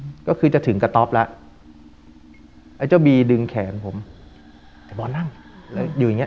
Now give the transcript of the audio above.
อืมก็คือจะถึงกระต๊อปแล้วไอ้เจ้าบีดึงแขนผมไอ้บอลนั่งแล้วอยู่อย่างเง